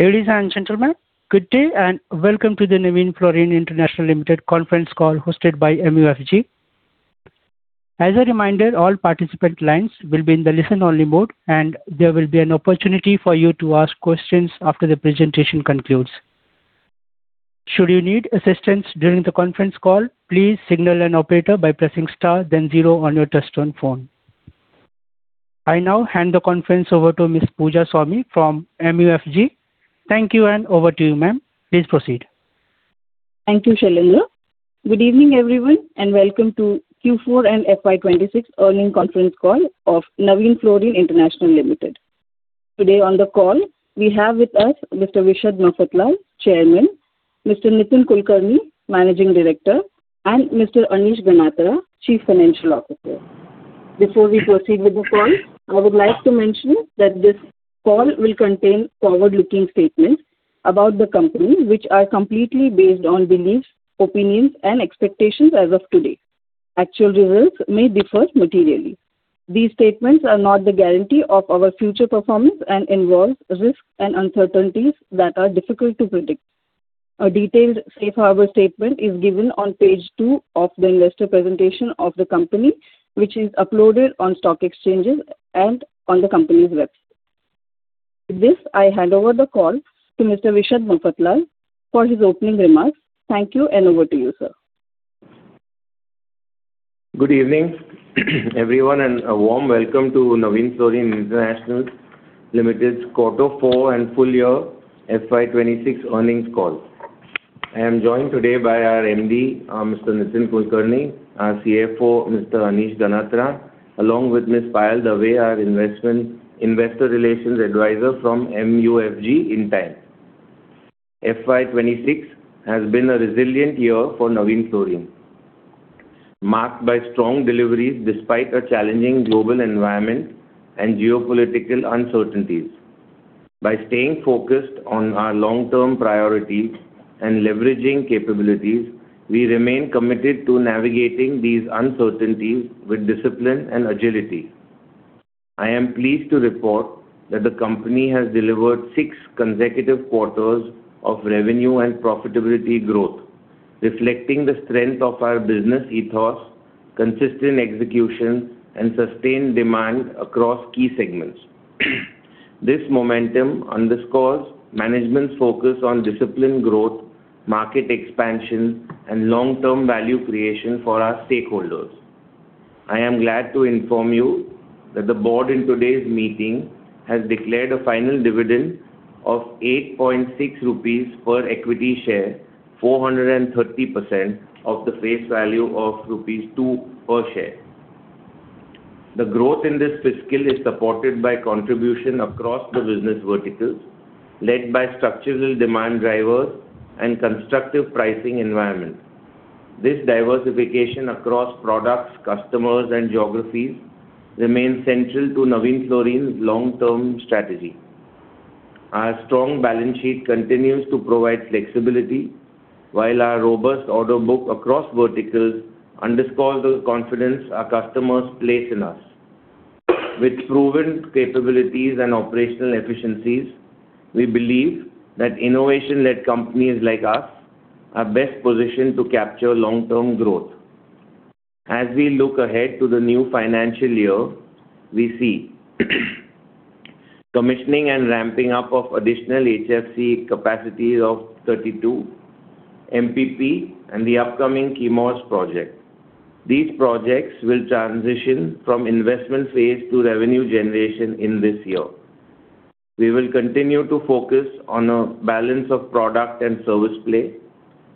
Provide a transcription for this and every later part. Ladies and gentlemen, good day and welcome to the Navin Fluorine International Limited Conference Call hosted by MUFG. As a reminder, all participant lines will be in the listen-only mode, and there will be an opportunity for you to ask questions after the presentation concludes. Should you need assistance during the conference call, please signal an operator by pressing star then zero on your touchtone phone. I now hand the conference over to Ms. Pooja Swami from MUFG. Thank you. Over to you, ma'am. Please proceed. Thank you, Shailendra. Good evening everyone and welcome to Q4 and FY 2026 Earnings Conference Call of Navin Fluorine International Limited. Today on the call, we have with us Mr. Vishad Mafatlal, Chairman, Mr. Nitin Kulkarni, Managing Director, and Mr. Anish Ganatra, Chief Financial Officer. Before we proceed with the call, I would like to mention that this call will contain forward-looking statements about the company, which are completely based on beliefs, opinions, and expectations as of today. Actual results may differ materially. These statements are not the guarantee of our future performance and involve risks and uncertainties that are difficult to predict. A detailed safe harbor statement is given on page two of the investor presentation of the company, which is uploaded on stock exchanges and on the company's website. With this, I hand over the call to Mr. Vishad Mafatlal for his opening remarks. Thank you, and over to you, sir. Good evening, everyone, and a warm welcome to Navin Fluorine International Limited's Quarter Four and Full Year FY 2026 Earnings Call. I am joined today by our MD, Mr. Nitin Kulkarni, our CFO, Mr. Anish Ganatra, along with Ms. Payal Dave, our investor relations advisor from MUFG Intime. FY 2026 has been a resilient year for Navin Fluorine, marked by strong deliveries despite a challenging global environment and geopolitical uncertainties. By staying focused on our long-term priorities and leveraging capabilities, we remain committed to navigating these uncertainties with discipline and agility. I am pleased to report that the company has delivered six consecutive quarters of revenue and profitability growth, reflecting the strength of our business ethos, consistent execution, and sustained demand across key segments. This momentum underscores management's focus on disciplined growth, market expansion, and long-term value creation for our stakeholders. I am glad to inform you that the board in today's meeting has declared a final dividend of 8.6 rupees per equity share, 430% of the face value of rupees 2 per share. The growth in this fiscal is supported by contribution across the business verticals, led by structural demand drivers and constructive pricing environment. This diversification across products, customers, and geographies remains central to Navin Fluorine's long-term strategy. Our strong balance sheet continues to provide flexibility, while our robust order book across verticals underscores the confidence our customers place in us. With proven capabilities and operational efficiencies, we believe that innovation-led companies like us are best positioned to capture long-term growth. As we look ahead to the new financial year, we see commissioning and ramping up of additional HFC capacities of 32 MPP and the upcoming KMOS project. These projects will transition from investment phase to revenue generation in this year. We will continue to focus on a balance of product and service play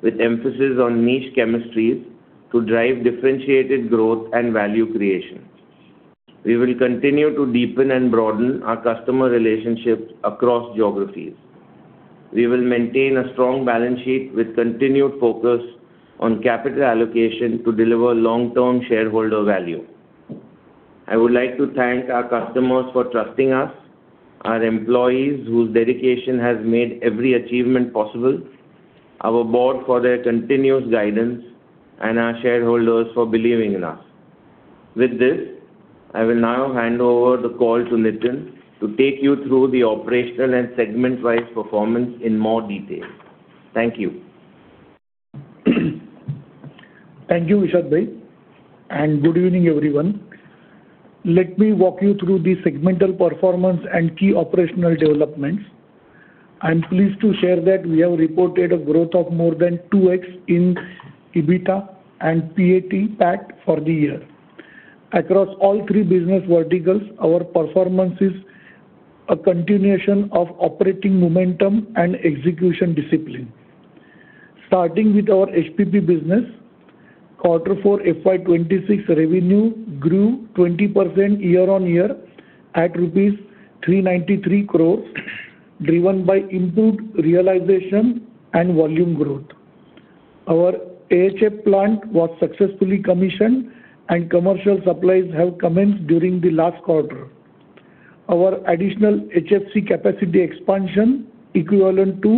with emphasis on niche chemistries to drive differentiated growth and value creation. We will continue to deepen and broaden our customer relationships across geographies. We will maintain a strong balance sheet with continued focus on capital allocation to deliver long-term shareholder value. I would like to thank our customers for trusting us, our employees whose dedication has made every achievement possible, our board for their continuous guidance, and our shareholders for believing in us. With this, I will now hand over the call to Nitin to take you through the operational and segment-wise performance in more detail. Thank you. Thank you, Vishad [ji]. Good evening, everyone. Let me walk you through the segmental performance and key operational developments. I am pleased to share that we have reported a growth of more than 2x in EBITDA and PAT for the year. Across all three business verticals, our performance is a continuation of operating momentum and execution discipline. Starting with our HPP business, Q4 FY 2026 revenue grew 20% year-on-year at rupees 393 crore, driven by improved realization and volume growth. Our AHF plant was successfully commissioned, and commercial supplies have commenced during the last quarter. Our additional HFC capacity expansion, equivalent to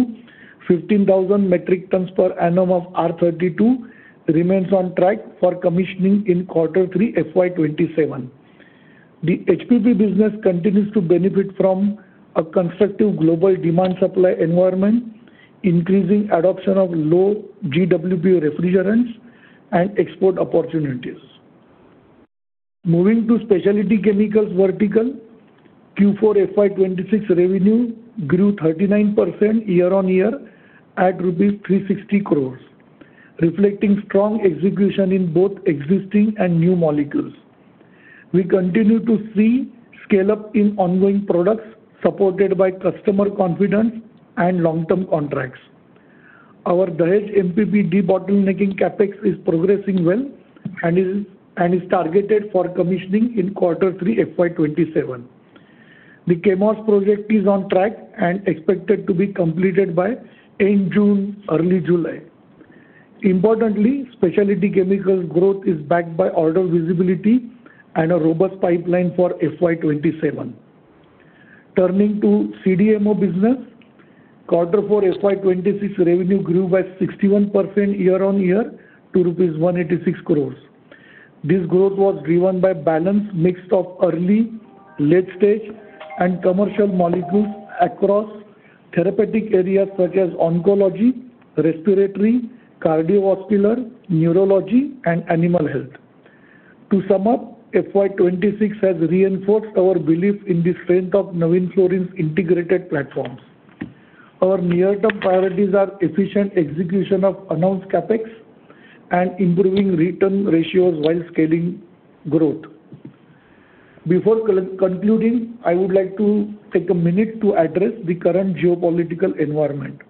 15,000 MTPA of R32, remains on track for commissioning in Q3 FY 2027. The HPP business continues to benefit from a constructive global demand supply environment, increasing adoption of low GWP refrigerants and export opportunities. Moving to Specialty Chemicals vertical, Q4 FY 2026 revenue grew 39% year-on-year at 360 crore, reflecting strong execution in both existing and new molecules. We continue to see scale up in ongoing products supported by customer confidence and long-term contracts. Our Dahej MPP debottlenecking CapEx is progressing well and is targeted for commissioning in Q3 FY 2027. The KMOS project is on track and expected to be completed by end June, early July. Specialty Chemicals growth is backed by order visibility and a robust pipeline for FY 2027. Turning to CDMO business, Q4 FY 2026 revenue grew by 61% year-on-year to rupees 186 crore. This growth was driven by balanced mix of early, late stage and commercial molecules across therapeutic areas such as oncology, respiratory, cardiovascular, neurology and animal health. To sum up, FY 2026 has reinforced our belief in the strength of Navin Fluorine's integrated platforms. Our near-term priorities are efficient execution of announced CapEx and improving return ratios while scaling growth. Before concluding, I would like to take a one minute to address the current geopolitical environment.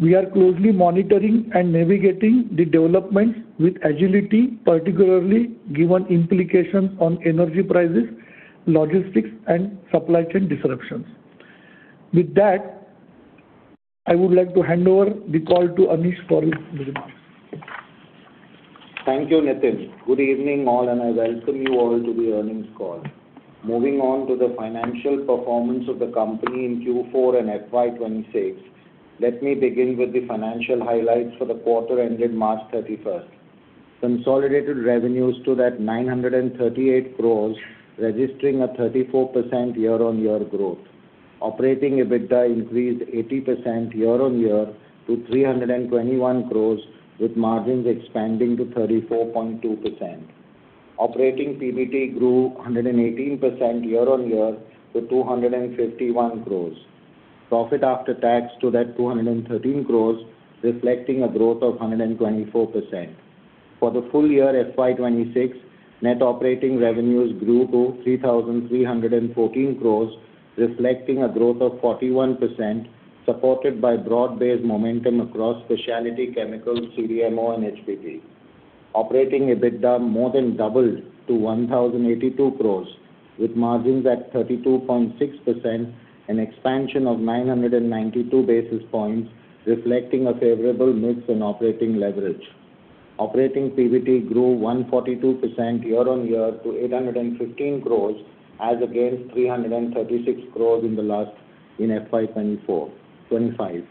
We are closely monitoring and navigating the developments with agility, particularly given implications on energy prices, logistics and supply chain disruptions. With that, I would like to hand over the call to Anish for his remarks. Thank you, Nitin. Good evening, all, and I welcome you all to the Earnings Call. Moving on to the financial performance of the company in Q4 and FY 2026, let me begin with the financial highlights for the quarter ended March 31st. Consolidated revenues stood at 938 crore, registering a 34% year-on-year growth. Operating EBITDA increased 80% year-on-year to 321 crore, with margins expanding to 34.2%. Operating PBT grew 118% year-on-year to 251 crore. Profit after tax stood at 213 crore, reflecting a growth of 124%. For the full year FY 2026, net operating revenues grew to 3,314 crore, reflecting a growth of 41%, supported by broad-based momentum across specialty chemicals, CDMO and HPP. Operating EBITDA more than doubled to 1,082 crore, with margins at 32.6%, an expansion of 992 basis points, reflecting a favorable mix in operating leverage. Operating PBT grew 142% year-on-year to 815 crore as against 336 crore in FY 2024-2025.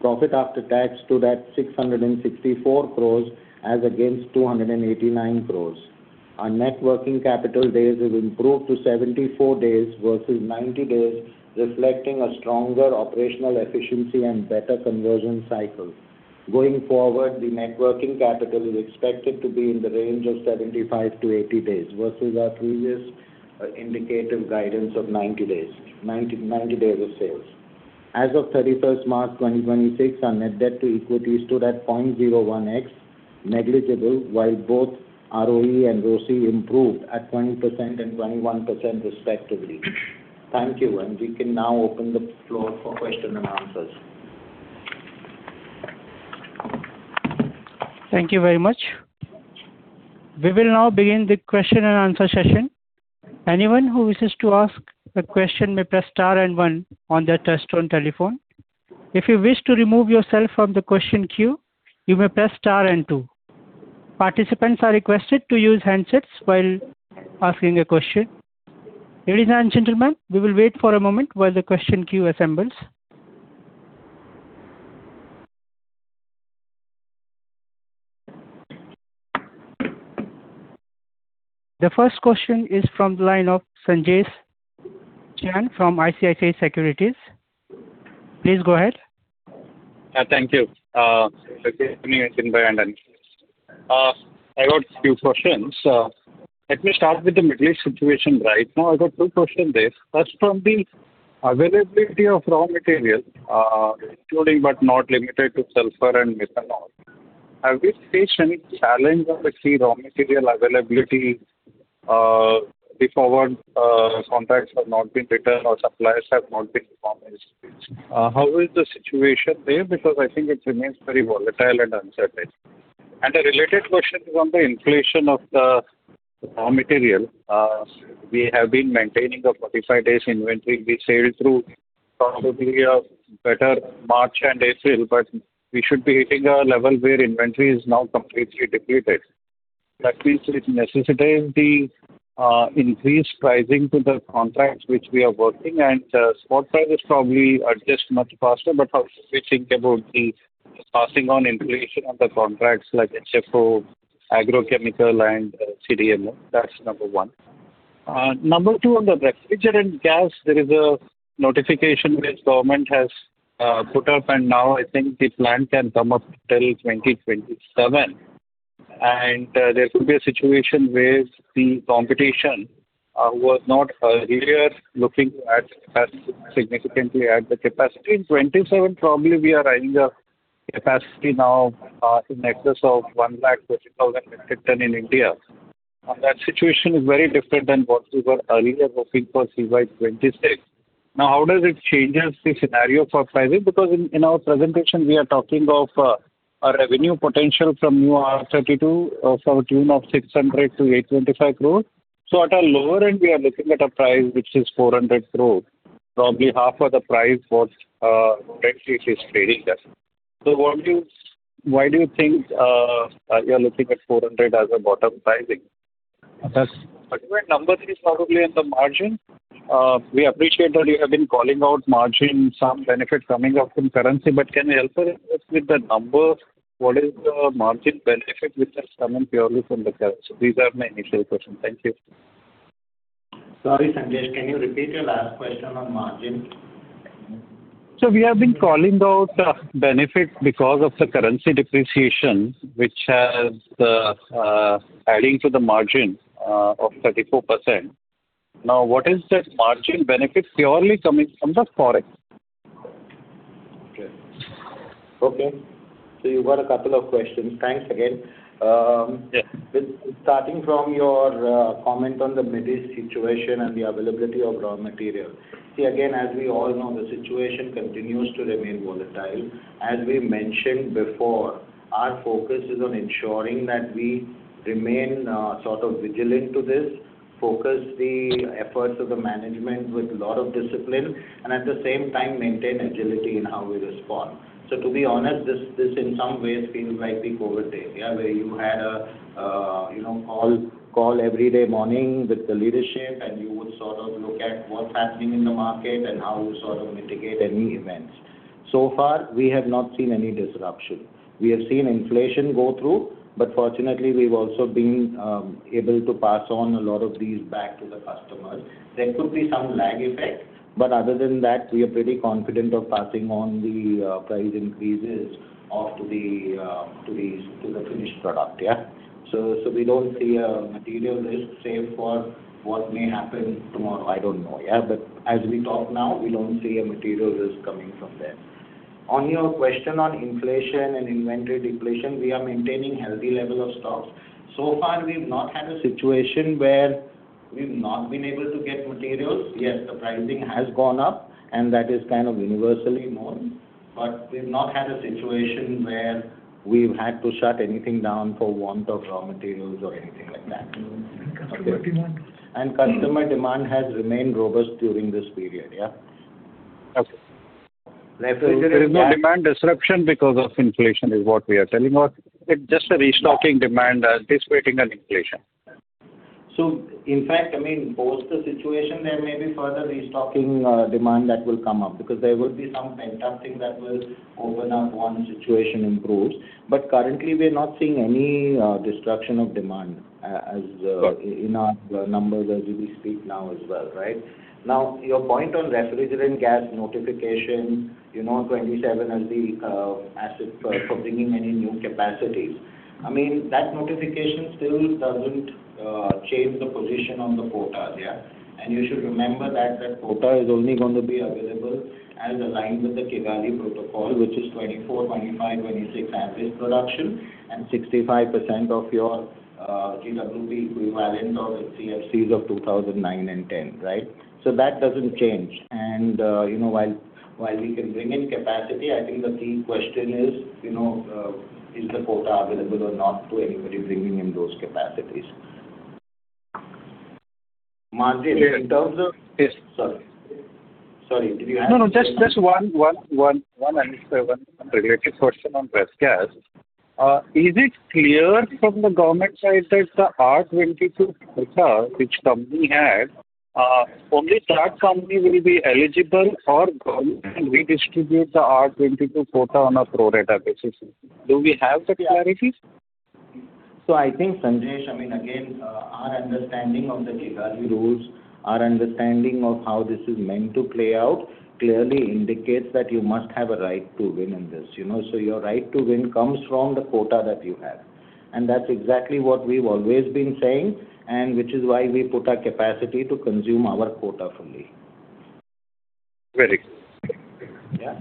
Profit after tax stood at 664 crore as against 289 crore. Our net working capital days have improved to 74 days versus 90 days, reflecting a stronger operational efficiency and better conversion cycle. Going forward, the net working capital is expected to be in the range of 75-80 days versus our previous indicative guidance of 90 days of sales. As of 31st March 2026, our net debt to equity stood at 0.01x, negligible, while both ROE and ROCE improved at 20% and 21% respectively. Thank you. We can now open the floor for question and answers. Thank you very much. We will now begin the question and answer session. Anyone who wishes to ask a question may press star and one on their touch-tone telephone. If you wish to remove yourself from the question queue, you may press star and two. Participants are requested to use handsets while asking a question. Ladies and gentlemen, we will wait for a moment while the question queue assembles. The first question is from the line of Sanjesh Jain from ICICI Securities. Please go ahead. Thank you. Good evening, Nitin and Anish. I got few questions. Let me start with the Middle East situation right now. I got two question there. First, from the availability of raw material, including but not limited to sulfur and methanol. Have you faced any challenge on the key raw material availability, if our contracts have not been returned or suppliers have not been performing? How is the situation there? I think it remains very volatile and uncertain. A related question is on the inflation of the raw material. We have been maintaining a 45 days inventory. We sailed through probably a better March and April, but we should be hitting a level where inventory is now completely depleted. That means it necessitates the increased pricing to the contracts which we are working, spot prices probably adjust much faster. How should we think about the passing on inflation on the contracts like HFO, agrochemical and CDMO? That's number one. Number two, on the refrigerant gas, there is a notification which government has put up, and now I think the plant can come up till 2027. There could be a situation where the competition was not earlier looking significantly at the capacity. In 2027, probably we are adding a capacity now in excess of 130,000 metric ton in India. That situation is very different than what we were earlier looking for CY 2026. How does it changes the scenario for pricing? Because, in our presentation, we are talking of a revenue potential from new R32 of the tune of 600 crore-825 crore. At a lower end, we are looking at a price which is 400 crore, probably half of the price what [Red Sea] is trading at. What do you think you're looking at 400 as a bottom pricing? Number three is probably on the margin. We appreciate that you have been calling out margin, some benefit coming up in currency, can you help us with the numbers? What is the margin benefit which is coming purely from the currency? These are my initial questions. Thank you. Sorry, Sanjesh. Can you repeat your last question on margin? We have been calling out benefit because of the currency depreciation, which has adding to the margin of 34%. What is that margin benefit purely coming from the Forex? Okay. Okay. You've got a couple of questions. Thanks again. Yeah. With starting from your comment on the Mid East situation and the availability of raw material. Again, as we all know, the situation continues to remain volatile. As we mentioned before, our focus is on ensuring that we remain sort of vigilant to this, focus the efforts of the management with a lot of discipline, and at the same time maintain agility in how we respond. To be honest, this in some ways feels like the COVID day, yeah, where you had a, you know, call every day morning with the leadership, and you would sort of look at what's happening in the market and how you sort of mitigate any events. So far, we have not seen any disruption. We have seen inflation go through. Fortunately, we've also been able to pass on a lot of these back to the customer. There could be some lag effect. Other than that, we are pretty confident of passing on the price increases to the finished product, yeah. We don't see a material risk, save for what may happen tomorrow, I don't know, yeah. As we talk now, we don't see a material risk coming from there. On your question on inflation and inventory depletion, we are maintaining healthy level of stocks. So far, we've not had a situation where we've not been able to get materials. Yes, the pricing has gone up, and that is kind of universally known. We've not had a situation where we've had to shut anything down for want of raw materials or anything like that. Customer demand? Customer demand has remained robust during this period. Yeah. Okay. [croostalk] Refrigerant gas. There is no demand disruption because of inflation, is what we are telling. It's just a restocking demand, anticipating an inflation. In fact, I mean, post the situation, there may be further restocking, demand that will come up, because there will be some pent-up thing that will open up once situation improves. Currently, we're not seeing any disruption of demand as in our numbers as we speak now as well, right? Your point on refrigerant gas notification, you know 27% is the asset for bringing any new capacities. I mean, that notification still doesn't change the position on the quota, yeah? You should remember that that quota is only going to be available as aligned with the Kigali Amendment, which is 24%, 25%, 26% average production, and 65% of your GWP equivalent of HCFCs of 2009 and 2010, right? That doesn't change. You know, while we can bring in capacity, I think the key question is, you know, is the quota available or not to anybody bringing in those capacities. Margin, in terms of- Yes. Sorry. No, no, just one related question on gas. Is it clear from the government side that the R22 quota which company had, only that company will be eligible or government can redistribute the R22 quota on a pro-rata basis? Do we have the clarity? I think, Sanjesh, I mean, again, our understanding of the Kigali rules, our understanding of how this is meant to play out clearly indicates that you must have a right to win in this, you know. Your right to win comes from the quota that you have. That's exactly what we've always been saying, and which is why we put our capacity to consume our quota fully. Very good. Thank you. Yeah.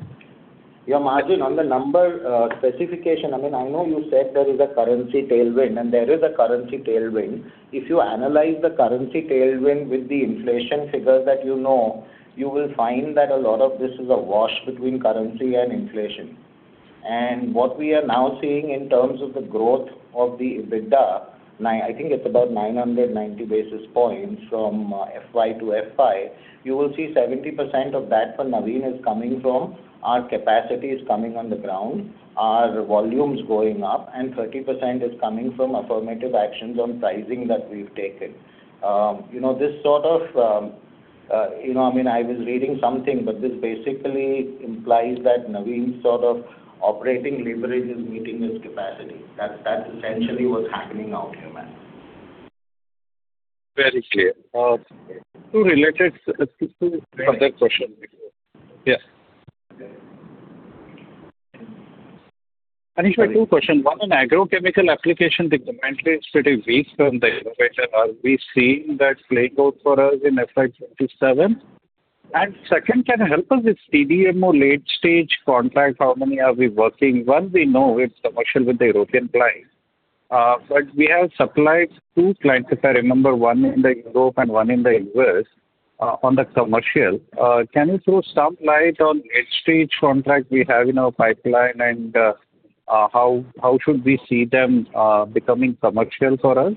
Your margin on the number, specification, I know you said there is a currency tailwind, there is a currency tailwind. If you analyze the currency tailwind with the inflation figures that you know, you will find that a lot of this is a wash between currency and inflation. What we are now seeing in terms of the growth of the EBITDA, I think it's about 990 basis points from FY to FY. You will see 70% of that for Navin is coming from our capacity is coming on the ground, our volume is going up, and 30% is coming from affirmative actions on pricing that we've taken. You know, this sort of, you know, I was reading something, this basically implies that Navin's sort of operating leverage is meeting his capacity. That essentially was happening out here, man. Very clear. Two related, two other questions. Yeah. Anish, two questions. One on agrochemical application. The commentary is pretty weak from the innovator. Are we seeing that play out for us in FY 2027? Second, can you help us with CDMO late-stage contract, how many are we working? 1 we know it's commercial with the European client. But we have supplied two clients, if I remember, one in Europe and one in the U.S., on the commercial. Can you throw some light on late-stage contract we have in our pipeline and how should we see them becoming commercial for us?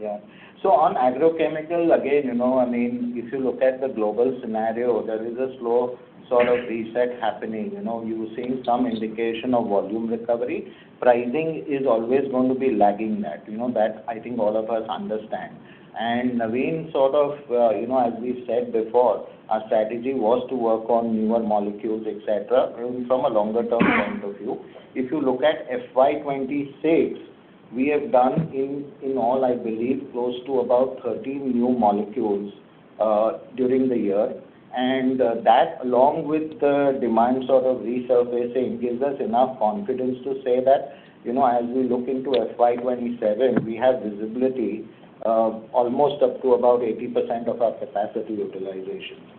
Yeah. On agrochemical, again, you know, I mean, if you look at the global scenario, there is a slow sort of reset happening. You know, you're seeing some indication of volume recovery. Pricing is always going to be lagging that. You know, that I think all of us understand. Navin sort of, you know, as we said before, our strategy was to work on newer molecules, et cetera, from a longer-term point of view. If you look at FY 2026, we have done in all, I believe, close to about 13 new molecules during the year. That along with the demand sort of resurfacing gives us enough confidence to say that, you know, as we look into FY 2027, we have visibility almost up to about 80% of our capacity utilization.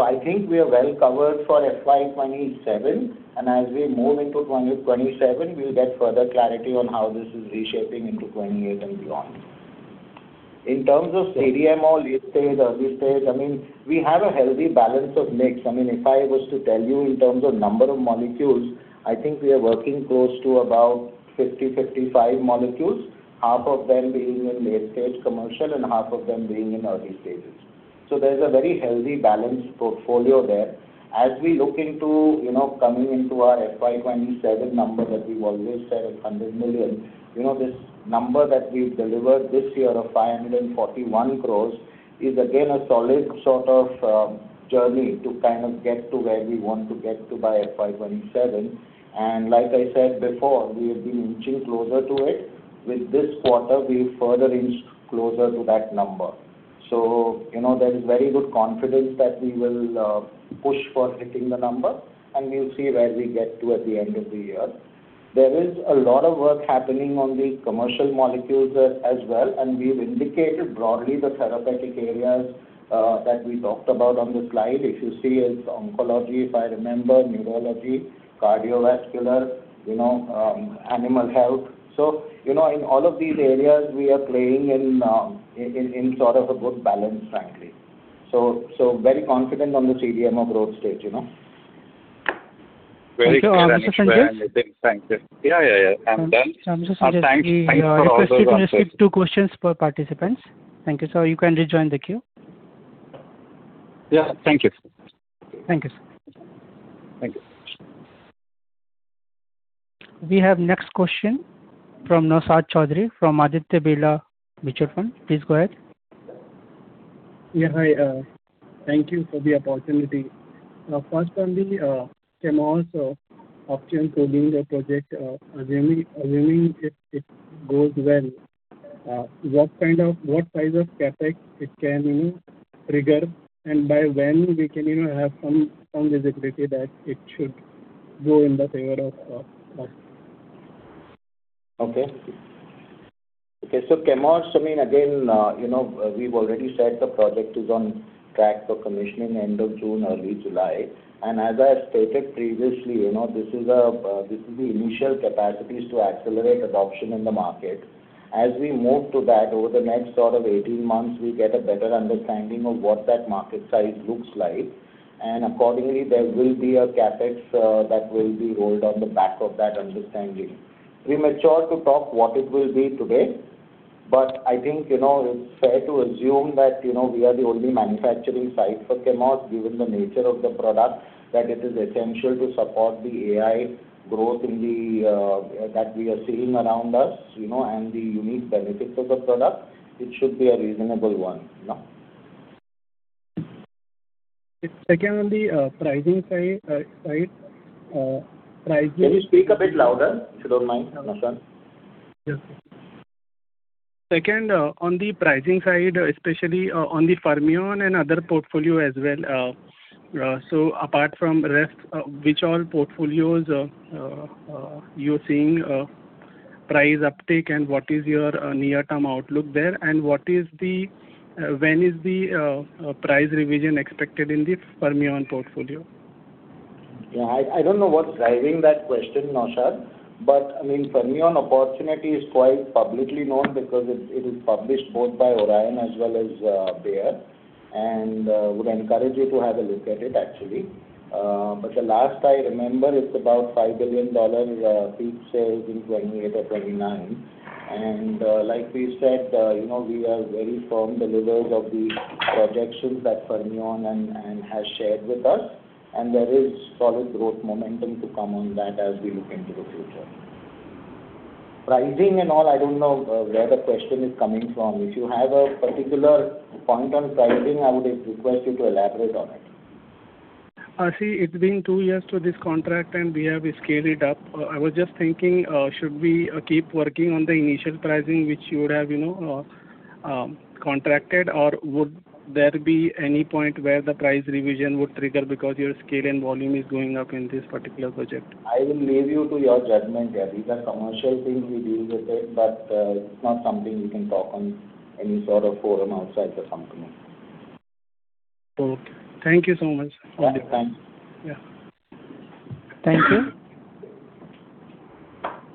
I think we are well covered for FY 2027, and as we move into 2027, we'll get further clarity on how this is reshaping into 2028 and beyond. In terms of CDMO late stage, early stage, I mean, we have a healthy balance of mix. I mean, if I was to tell you in terms of number of molecules, I think we are working close to about 50, 55 molecules, half of them being in late-stage commercial and half of them being in early stages. There's a very healthy balanced portfolio there. As we look into, you know, coming into our FY 2027 number that we've always said is 100 million, you know, this number that we've delivered this year of 541 crore is again a solid sort of journey to kind of get to where we want to get to by FY 2027. Like I said before, we have been inching closer to it. With this quarter, we've further inched closer to that number. You know, there is very good confidence that we will push for hitting the number, and we'll see where we get to at the end of the year. There is a lot of work happening on the commercial molecules as well, and we've indicated broadly the therapeutic areas that we talked about on the slide. If you see, it's oncology, if I remember, neurology, cardiovascular, you know, animal health. You know, in all of these areas we are playing in sort of a good balance, frankly. Very confident on the CDMO growth stage, you know. Very clear. Mr. Sanjesh? I think. Thank you. Yeah, yeah. Mr. Sanjesh- Thanks. I request you to restrict to two questions per participant. Thank you. You can rejoin the queue. Yeah. Thank you. Thank you, sir. Thank you. We have next question from Naushad Chaudhary from Aditya Birla Mutual Fund. Please go ahead. Yeah. Hi. Thank you for the opportunity. First on the Chemours option for doing the project, assuming it goes well, what size of CapEx it can even trigger, and by when we can even have some visibility that it should go in the favor of us? Okay. Okay. Chemours, I mean, again, we've already said the project is on track for commissioning end of June, early July. As I stated previously, this is the initial capacities to accelerate adoption in the market. As we move to that over the next sort of 18 months, we get a better understanding of what that market size looks like. Accordingly, there will be a CapEx that will be rolled on the back of that understanding. Premature to talk what it will be today, but I think, you know, it's fair to assume that, you know, we are the only manufacturing site for Chemours, given the nature of the product, that it is essential to support the AI growth in the that we are seeing around us, you know, and the unique benefits of the product. It should be a reasonable one. No? Second, on the pricing side. Can you speak a bit louder, if you don't mind, Naushad? Yes. Second, on the pricing side, especially, on the Fermion and other portfolio as well. Apart from rest, which all portfolios are you're seeing price uptick, and what is your near-term outlook there? What is the when is the price revision expected in the Fermion portfolio? Yeah. I don't know what's driving that question, Naushad. I mean, Fermion opportunity is quite publicly known because it's, it is published both by Orion as well as Bayer. Would encourage you to have a look at it actually. But the last I remember, it's about $5 billion, peak sales in 2028 or 2029. Like we said, you know, we are very firm believers of the projections that Fermion and has shared with us, and there is solid growth momentum to come on that as we look into the future. Pricing and all, I don't know, where the question is coming from. If you have a particular point on pricing, I would request you to elaborate on it. See, it's been two years to this contract, and we have scaled it up. I was just thinking, should we keep working on the initial pricing which you would have, you know, contracted? Would there be any point where the price revision would trigger because your scale and volume is going up in this particular project? I will leave you to your judgment there. These are commercial things, we deal with it, but it's not something we can talk on any sort of forum outside the company. Okay. Thank you so much. Yeah, thanks. Yeah. Thank you.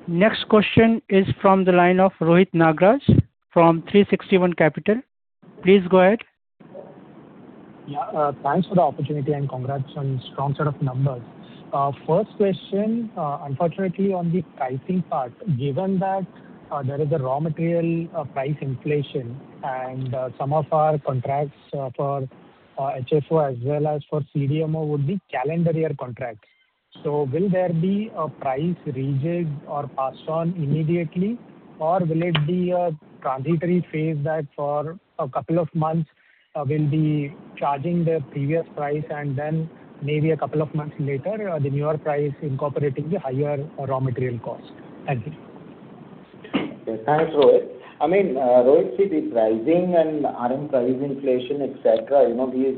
Next question is from the line of Rohit Nagraj from 360 ONE Capital. Please go ahead. Yeah. Thanks for the opportunity, and congrats on strong set of numbers. First question, unfortunately on the pricing part, given that there is a raw material price inflation and some of our contracts for HFO as well as for CDMO would be calendar year contracts. Will there be a price rejig or passed on immediately? Will it be a transitory phase that for a couple of months, we'll be charging the previous price and then maybe a couple of months later, the newer price incorporating the higher raw material cost? Thank you. Yeah. Thanks, Rohit. I mean, Rohit, see the pricing and RM price inflation, et cetera, you know, these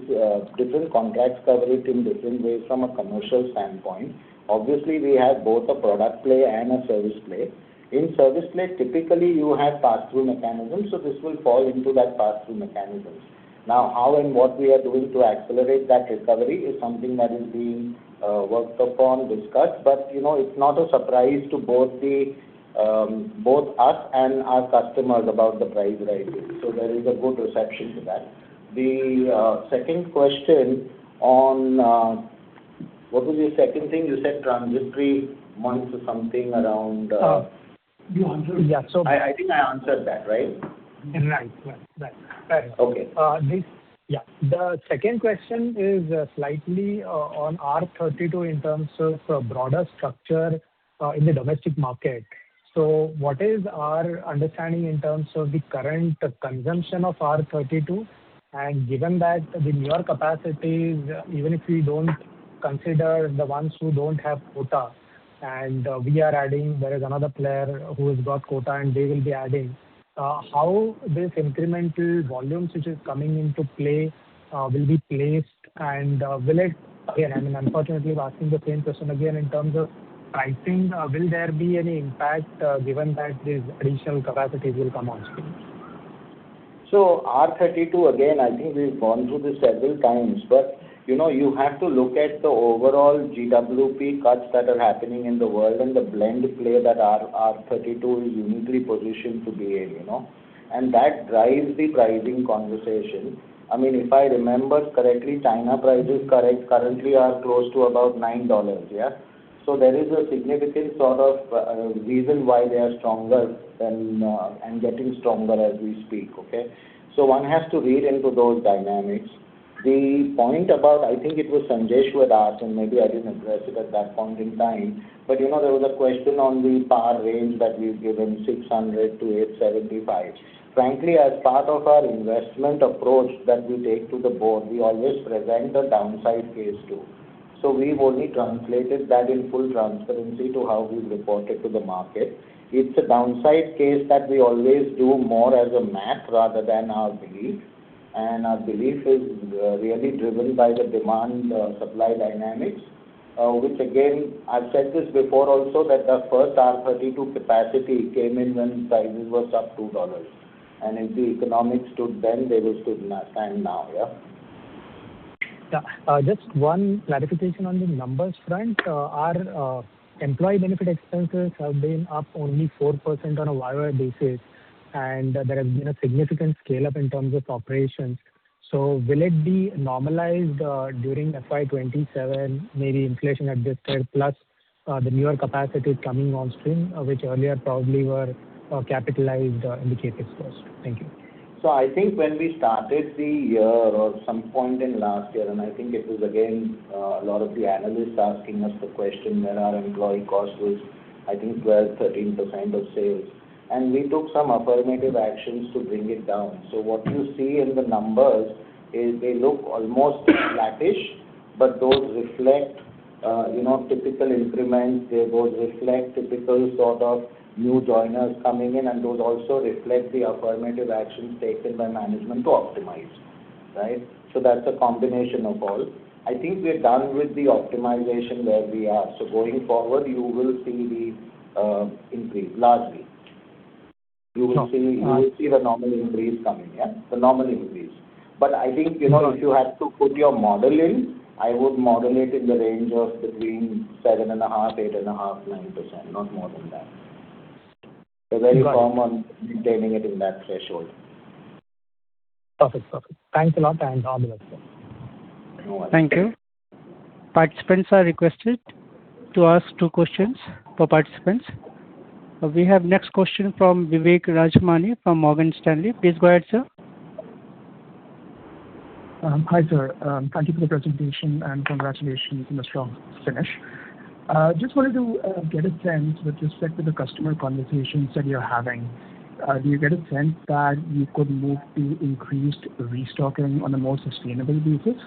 different contracts cover it in different ways from a commercial standpoint. We have both a product play and a service play. In service play, typically you have pass-through mechanism, this will fall into that pass-through mechanisms. How and what we are doing to accelerate that recovery is something that is being worked upon, discussed. You know, it's not a surprise to both the, both us and our customers about the price rise. There is a good reception to that. The second question on... What was the second thing? You said transitory months or something around. You answered. Yeah. I think I answered that, right? Right. Right. Right. Right. Okay. The second question is slightly on R32 in terms of broader structure in the domestic market. What is our understanding in terms of the current consumption of R32? Given that the newer capacities, even if we don't consider the ones who don't have quota, and we are adding, there is another player who has got quota, and they will be adding, how this incremental volumes which is coming into play will be placed? Will it, again, I mean, unfortunately asking the same question again in terms of pricing, will there be any impact given that these additional capacities will come on stream? R32, again, I think we've gone through this several times. You know, you have to look at the overall GWP cuts that are happening in the world and the blend play that R32 is uniquely positioned to behave, you know. That drives the pricing conversation. I mean, if I remember correctly, China prices currently are close to about $9, yeah. There is a significant sort of reason why they are stronger than and getting stronger as we speak, okay? One has to read into those dynamics. The point about I think it was Sanjesh Jain who had asked, and maybe I didn't address it at that point in time. You know, there was a question on the par range that we've given, 600-875. Frankly, as part of our investment approach that we take to the board, we always present the downside case too. We have only translated that in full transparency to how we have reported to the market. It's a downside case that we always do more as a math rather than our belief. Our belief is really driven by the demand supply dynamics. Which again, I've said this before also, that the first R32 capacity came in when prices were sub $2. If the economics stood then, they will stand now, yeah. Just one clarification on the numbers front. Our employee benefit expenses have been up only 4% on a YOY basis, and there has been a significant scale-up in terms of operations. Will it be normalized during FY 2027, maybe inflation adjusted plus the newer capacities coming on stream, which earlier probably were capitalized in the CapEx first? Thank you. I think when we started the year or some point in last year, I think it was again, a lot of the analysts asking us the question when our employee cost was, I think, 12%, 13% of sales. We took some affirmative actions to bring it down. What you see in the numbers is they look almost flattish, but those reflect, you know, typical increments. They both reflect typical sort of new joiners coming in, and those also reflect the affirmative actions taken by management to optimize, right? That's a combination of all. I think we're done with the optimization where we are. Going forward, you will see the increase largely. You will see. Sure. You will see the normal increase coming, yeah, the normal increase. I think, you know. Sure if you had to put your model in, I would model it in the range of between 7.5%, 8.5%, 9%, not more than that. Got it. We're very firm on maintaining it in that threshold. Perfect. Perfect. Thanks a lot, and all the best, sir. No worries. Thank you. Participants are requested to ask two questions per participant. We have next question from Vivek Rajamani from Morgan Stanley. Please go ahead, sir. Hi, sir. Thank you for the presentation, congratulations on a strong finish. Just wanted to get a sense with respect to the customer conversations that you're having. Do you get a sense that you could move to increased restocking on a more sustainable basis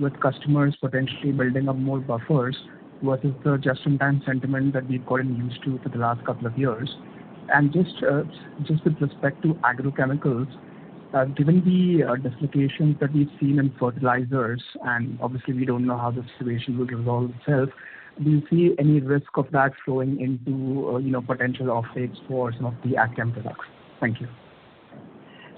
with customers potentially building up more buffers versus the just-in-time sentiment that we've gotten used to for the last couple of years? Just with respect to agrochemicals, given the dislocations that we've seen in fertilizers, and obviously we don't know how the situation will resolve itself, do you see any risk of that flowing into, you know, potential off takes for some of the AgChem products? Thank you.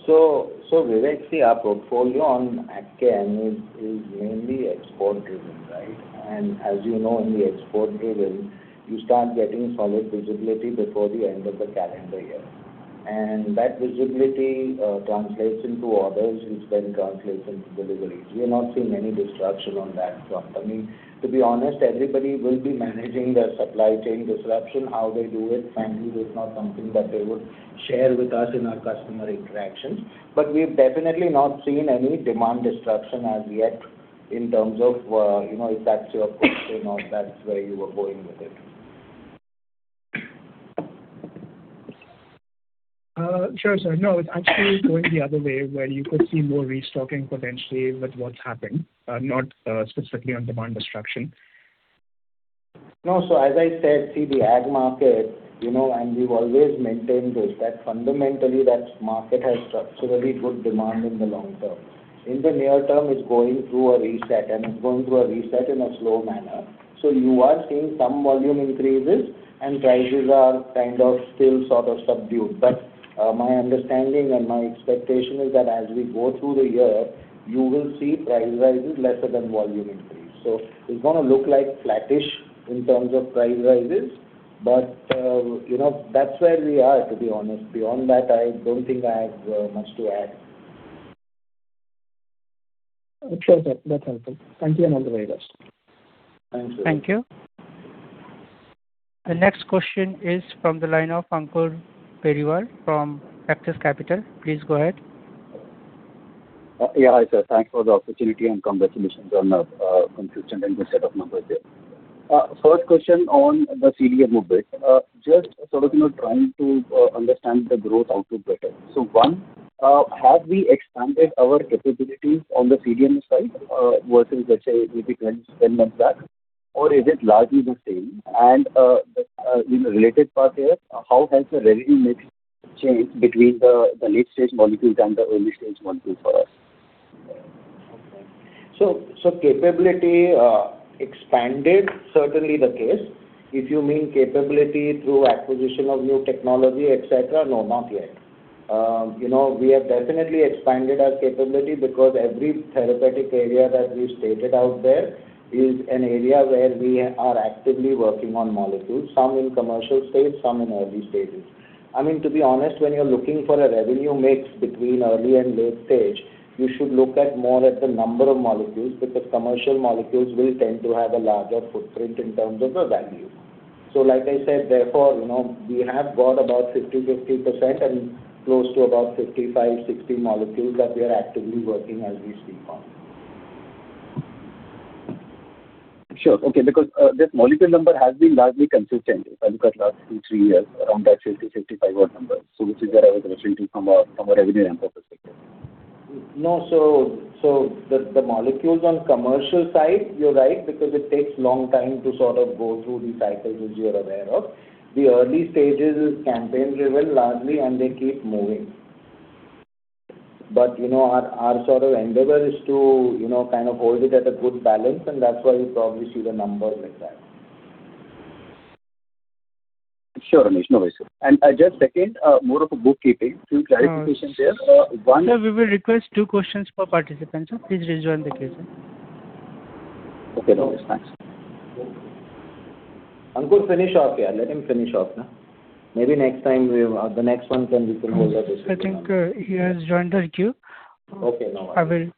So Vivek, see, our portfolio on AgChem is mainly export-driven, right? As you know, in the export-driven, you start getting solid visibility before the end of the calendar year. That visibility translates into orders, which then translates into deliveries. We're not seeing any disruption on that front. I mean, to be honest, everybody will be managing their supply chain disruption. How they do it frankly is not something that they would share with us in our customer interactions. We've definitely not seen any demand disruption as yet in terms of, you know, if that's your question or if that's where you were going with it. Sure, sir. No, it's actually going the other way where you could see more restocking potentially with what's happened, not specifically on demand disruption. No. As I said, see the ag market, you know, and we've always maintained this, that fundamentally that market has structurally good demand in the long term. In the near term, it's going through a reset, and it's going through a reset in a slow manner. You are seeing some volume increases and prices are kind of still sort of subdued. But my understanding and my expectation is that as we go through the year, you will see price rises lesser than volume increase. It's gonna look like flattish in terms of price rises. But you know, that's where we are, to be honest. Beyond that, I don't think I have much to add. Sure, sir. That's helpful. Thank you and all the very best. Thanks. Thank you. The next question is from the line of Ankur Periwal from Axis Capital. Please go ahead. Yeah, Hi sir. Thanks for the opportunity and congratulations on a consistent and good set of numbers there. First question on the CDMO bit. Just sort of, you know, trying to understand the growth outlook better. Have we expanded our capabilities on the CDMO side versus let's say maybe 10 months back, or is it largely the same? In the related part here, how has the revenue mix changed between the late stage molecules and the early stage molecules for us? Capability expanded, certainly the case. If you mean capability through acquisition of new technology, et cetera, no, not yet. You know, we have definitely expanded our capability because every therapeutic area that we've stated out there is an area where we are actively working on molecules, some in commercial stage, some in early stages. I mean, to be honest, when you're looking for a revenue mix between early and late stage, you should look at more at the number of molecules because commercial molecules will tend to have a larger footprint in terms of the value. Like I said, therefore, you know, we have got about 50% and close to about 55-60 molecules that we are actively working as we speak on. Sure. Okay. Because this molecule number has been largely consistent if I look at last two, three years around that 50, 55 odd number. Which is where I was referring to from a, from a revenue emphasis perspective. No. The molecules on commercial side, you're right, because it takes long time to sort of go through the cycles which you're aware of. The early stages is campaign-driven largely, and they keep moving. You know, our sort of endeavor is to, you know, kind of hold it at a good balance, and that's why you probably see the numbers like that. Sure, Anish. No worries. Just second, more of a bookkeeping. Few clarifications there. One. Sir, we will request two questions per participant, sir. Please rejoin the queue, sir. Okay. No worries. Thanks. Ankur, finish off, yeah. Let him finish off, no? Maybe next time we will. The next one can we hold the question. I think, he has joined the queue. Okay. No worries.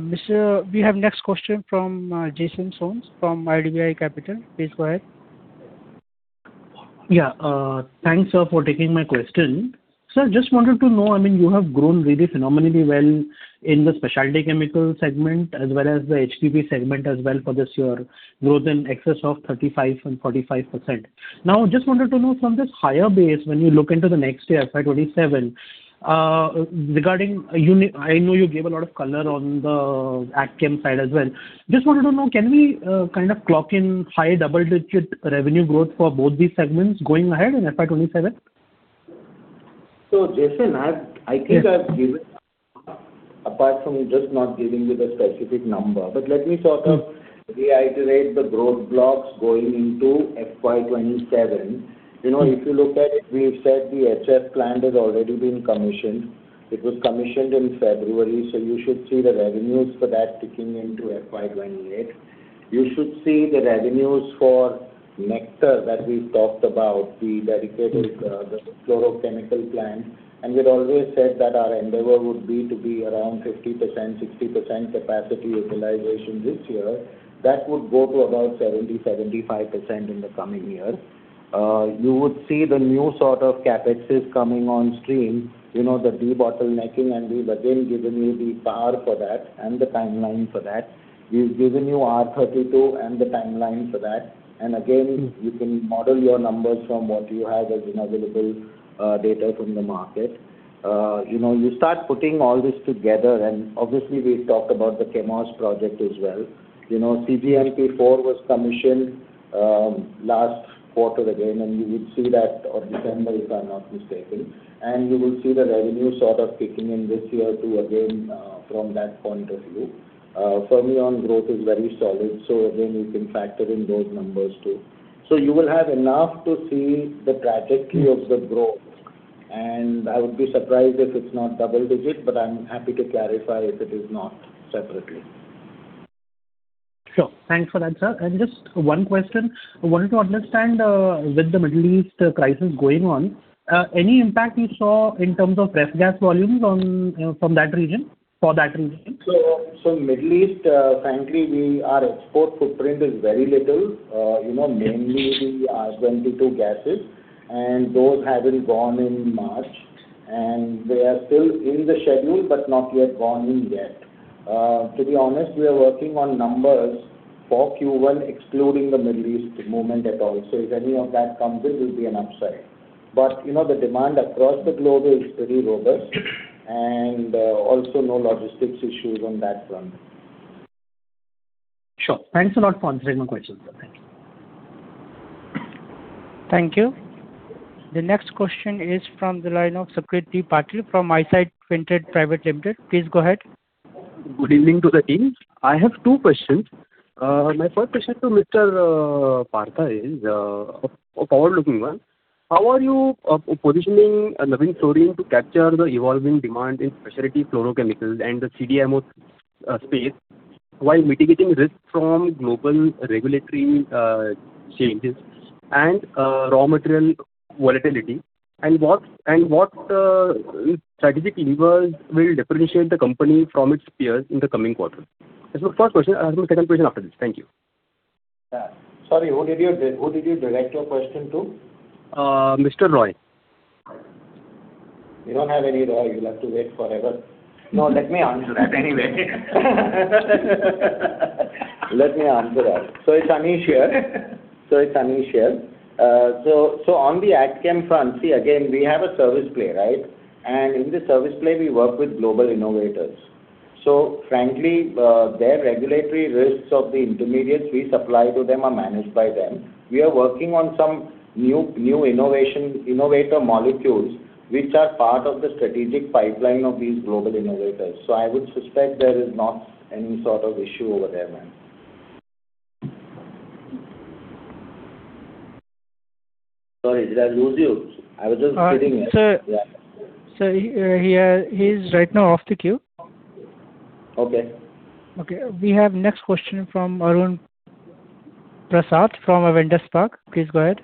Mister, we have next question from Jason Soans from IDBI Capital. Please go ahead. Yeah. Thanks sir for taking my question. Sir, just wanted to know, I mean, you have grown really phenomenally well in the specialty chemical segment as well as the HPP segment as well for this year, growth in excess of 35% and 45%. Just wanted to know from this higher base, when you look into the next year, FY 2027, I know you gave a lot of color on the AgChem side as well. Just wanted to know, can we kind of clock in high double-digit revenue growth for both these segments going ahead in FY 2027? Jason, I think I've given apart from just not giving you the specific number. Let me sort of reiterate the growth blocks going into FY 2027. You know, if you look at it, we've said the HS plant has already been commissioned. It was commissioned in February, you should see the revenues for that kicking into FY 2028. You should see the revenues for Nectar that we've talked about, the dedicated, the chlorochemical plant. We've always said that our endeavor would be to be around 50%, 60% capacity utilization this year. That would go to about 70%, 75% in the coming year. You would see the new sort of CapExes coming on stream, you know, the debottlenecking, we've again given you the bar for that and the timeline for that. We've given you R32 and the timeline for that. Again, you can model your numbers from what you have as in available data from the market. You know, you start putting all this together, and obviously we've talked about the Chemours project as well. You know, cGMP-4 was commissioned last quarter again, and you would see that on December, if I'm not mistaken. You will see the revenue sort of kicking in this year too again, from that point of view. Fermion growth is very solid. Again, you can factor in those numbers too. You will have enough to see the trajectory of the growth. I would be surprised if it's not double-digit, but I'm happy to clarify if it is not separately. Sure. Thanks for that, sir. Just one question. I wanted to understand, with the Middle East crisis going on, any impact you saw in terms of ref gas volumes, you know, for that region? Middle East, frankly Our export footprint is very little. you know, mainly the R22 gases, and those hadn't gone in March, and they are still in the schedule but not yet gone in yet. to be honest, we are working on numbers for Q1 excluding the Middle East movement at all. If any of that comes in, will be an upside. you know, the demand across the globe is pretty robust and also no logistics issues on that front. Sure. Thanks a lot for answering my questions, sir. Thank you. Thank you. The next question is from the line of Sucrit Patil from Eyesight Fintrade Private Limited. Please go ahead. Good evening to the team. I have two questions. My first question to Mr. Partha is a forward-looking one. How are you positioning Navin Fluorine to capture the evolving demand in specialty fluorochemicals and the CDMO space while mitigating risk from global regulatory changes and raw material volatility? What strategic levers will differentiate the company from its peers in the coming quarter? That's my first question. I have a second question after this. Thank you. Yeah. Sorry, who did you direct your question to? Mr. Rohit. We don't have any Rohit. You'll have to wait forever. No, let me answer that anyway. Let me answer that. So it's Anish here. On the AgChem front, see again, we have a service play, right? In the service play we work with global innovators. Frankly, their regulatory risks of the intermediates we supply to them are managed by them. We are working on some new innovator molecules which are part of the strategic pipeline of these global innovators. I would suspect there is not any sort of issue over there. Sorry, did I lose you? I was just sitting here. Sir. Yeah. Sir, he is right now off the queue. Okay. Okay. We have next question from Arun Prasath from Avendus Spark. Please go ahead.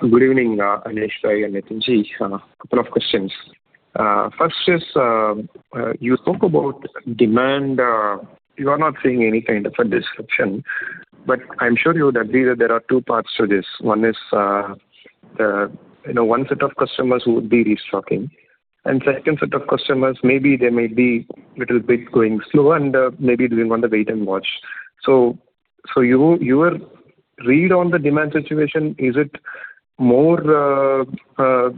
Good evening, Anish, Vishad, and Nitin-ji. Couple of questions. First is, you spoke about demand. You are not seeing any kind of a disruption. I'm sure you would agree that there are two parts to this. One is, the, you know, one set of customers who would be restocking. Second set of customers, maybe they may be little bit going slow and maybe doing on the wait and watch. You, your read on the demand situation, is it more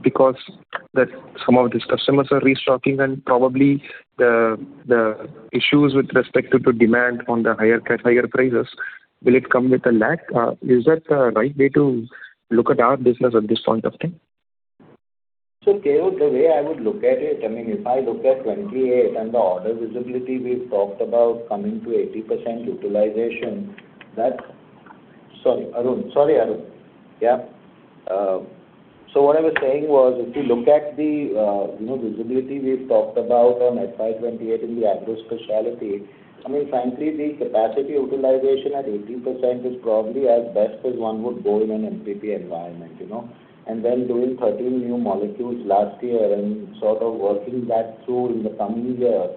because that some of these customers are restocking and probably the issues with respect to demand on the higher prices, will it come with a lag? Is that the right way to look at our business at this point of time? The way I would look at it, I mean, if I look at 28 and the order visibility we've talked about coming to 80% utilization. Sorry, Arun. Sorry, Arun. What I was saying was, if you look at the, you know, visibility we've talked about on FY 2028 in the agro specialty, I mean frankly, the capacity utilization at 80% is probably as best as one would go in an MTPA environment, you know. Then doing 13 new molecules last year and sort of working that through in the coming year,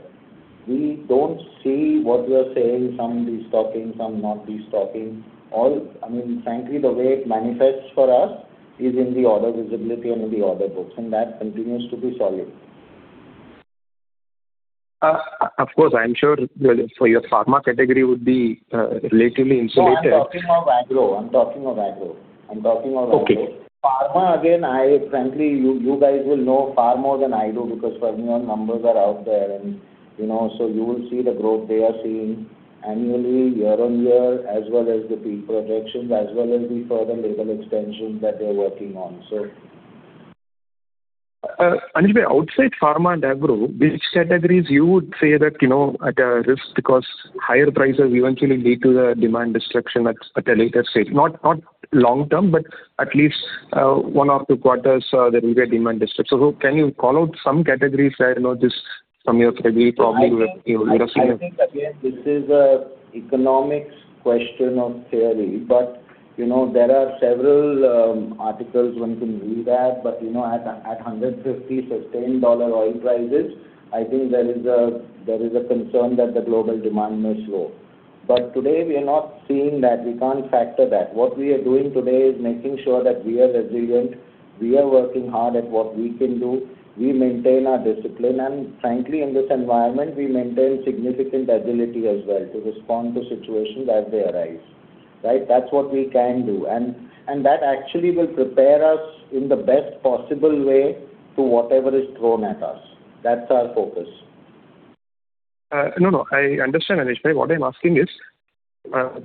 we don't see what you are saying, some restocking, some not restocking. I mean, frankly the way it manifests for us is in the order visibility and in the order books, that continues to be solid. Of course, I'm sure, so your pharma category would be relatively insulated. No, I'm talking of agro. I'm talking of agro. I'm talking of agro. Okay. Pharma again, I frankly, you guys will know far more than I do because Fermion numbers are out there and, you know, you will see the growth they are seeing annually year on year as well as the peak projections, as well as the further label expansions that they're working on. Anish, outside pharma and agro, which categories you would say that, you know, at a risk because higher prices eventually lead to the demand destruction at a later stage? Not long term, but at least, one or two quarters, there will be a demand destruction. Can you call out some categories where, you know, this from your category probably you would have seen it? I think again, this is a economics question or theory, you know, there are several articles one can read at. You know, at $150 sustained oil prices, I think there is a concern that the global demand may slow. Today we are not seeing that. We can't factor that. What we are doing today is making sure that we are resilient. We are working hard at what we can do. We maintain our discipline, and frankly, in this environment we maintain significant agility as well to respond to situations as they arise. That's what we can do. That actually will prepare us in the best possible way to whatever is thrown at us. That's our focus. No, no, I understand, Anish. What I'm asking is,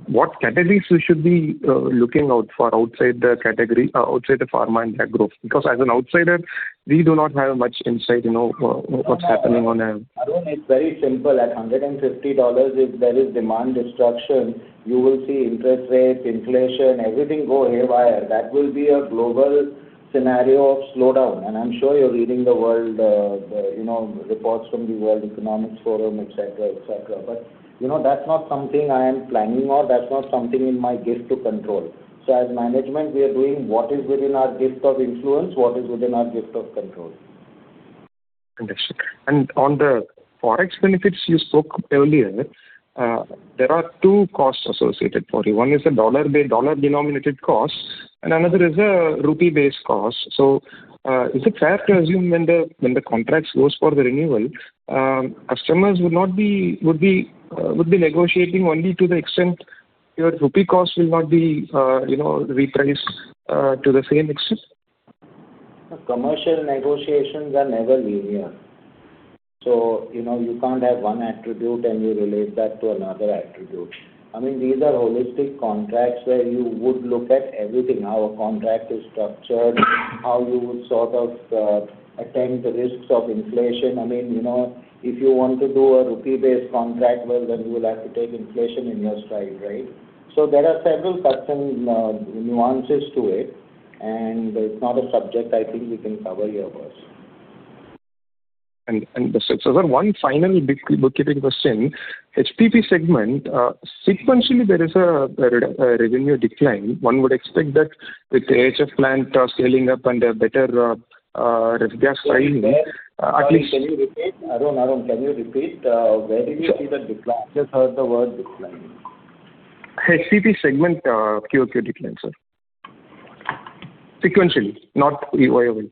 what categories we should be looking out for outside the category, outside the pharma and care growth? Because as an outsider, we do not have much insight, you know, what's happening on a... Arun, it's very simple. At $150, if there is demand destruction, you will see interest rates, inflation, everything go haywire. That will be a global scenario of slowdown. I'm sure you're reading the world, the, you know, reports from the World Economic Forum, et cetera, et cetera. You know, that's not something I am planning on. That's not something in my gift to control. As management, we are doing what is within our gift of influence, what is within our gift of control. Understood. On the Forex benefits you spoke earlier, there are two costs associated for you. One is a dollar-denominated cost, and another is a rupee-based cost. Is it fair to assume when the contract goes for the renewal, customers would be negotiating only to the extent your rupee cost will not be, you know, repriced to the same extent? Commercial negotiations are never linear. You know, you can't have one attribute and you relate that to another attribute. These are holistic contracts where you would look at everything, how a contract is structured, how you would sort of attend the risks of inflation. You know, if you want to do a rupee-based contract, well, then you will have to take inflation in your stride, right? There are several such nuances to it, and it's not a subject I think we can cover here, guys. Sir, one final bit, bookkeeping question. HPP segment, sequentially there is a revenue decline. One would expect that with the AHF plant scaling up and a better ref-gas filing, at least- Sorry, can you repeat? Arun, can you repeat? Where did you see the decline? Just heard the word decline. HPP segment, QOQ decline, sir. Sequentially, not YOY.